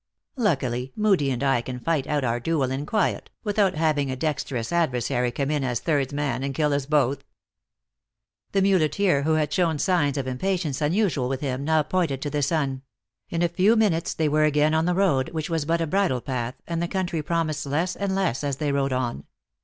Luckily, Moodie and I can fight out our duel in quiet, without having a dexterous adversary come in as thirdsman, and kill us both." The muleteer, who had shown signs of impatience unusual with him, now pointed to the sun; in a few minutes they were again on the road, which was but 214 THE ACTRESS IN HIGH LIFE. a bridle path, and the country promised less and less as they rode on.